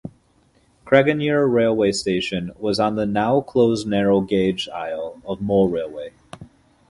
Craignure railway station was on the now closed narrow gauge Isle of Mull Railway.